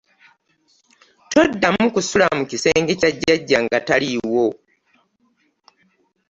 Todamu kusula mu kisenge kya jjajja nga taliiwo.